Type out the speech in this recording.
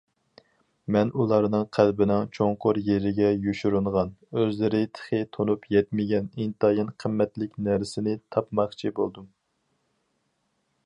مەن ئۇلارنىڭ قەلبىنىڭ چوڭقۇر يېرىگە يوشۇرۇنغان، ئۆزلىرى تېخى تونۇپ يەتمىگەن ئىنتايىن قىممەتلىك نەرسىنى تاپماقچى بولدۇم.